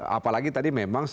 apalagi tadi memang